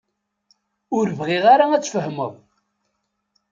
Ur bɣiɣ ara ad tfehmeḍ.